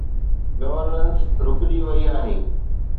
Governance رڪجي وئي آهي.